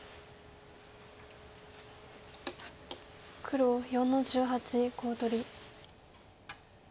黒４の十八コウ取り。